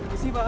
ini si pak